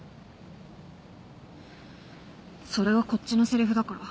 それはこっちのせりふだから。